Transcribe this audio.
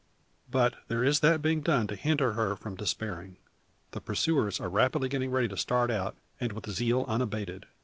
But there is that being done to hinder her from despairing. The pursuers are rapidly getting ready to start out, and with zeal unabated.